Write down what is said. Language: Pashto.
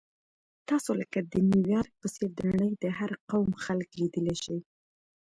تاسو لکه د نیویارک په څېر د نړۍ د هر قوم خلک لیدلی شئ.